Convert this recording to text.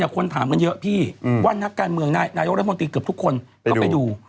แต่คนถามกันเยอะพี่ว่านักการเมืองนายกรัฐมนตรีเกือบทุกคนก็ไปดู